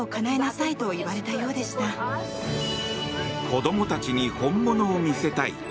子供たちに本物を見せたい。